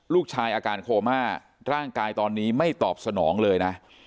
อาการโคม่าร่างกายตอนนี้ไม่ตอบสนองเลยนะ